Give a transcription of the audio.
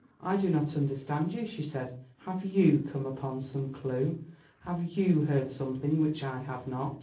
"I do not understand you," said she. "Have YOU come upon some clew? Have YOU heard something which I have not?"